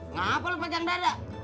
ngapain lo panjang dada